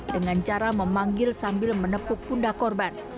dengan cara memanggil sambil menepuk pundak korban